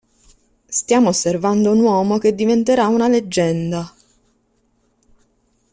Stiamo osservando un uomo che diventerà una leggenda".